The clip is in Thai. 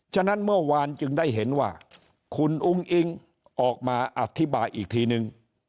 ฉะนั้นเมื่อวานจึงได้เห็นว่าคุณอุ้งอิ๊งออกมาอธิบายอีกทีนึง